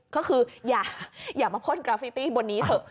ก็คืออย่ามาพ่นกราฟิตี้บนนี้เถอะ